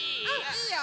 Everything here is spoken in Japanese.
いいよ。